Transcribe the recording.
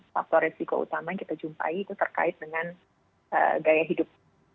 faktor resiko utama yang kita jumpai itu terkait dengan gaya hidup